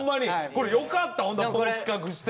これよかったホントこの企画して。